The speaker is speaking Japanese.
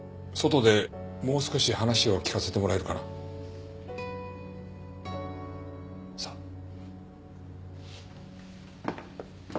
外でもう少し話を聞かせてもらえるかな？さあ。